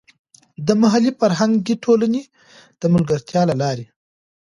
د محلي فرهنګي ټولنې د ملګرتیا له لارې.